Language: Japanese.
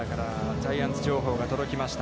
ジャイアンツ情報が届きました。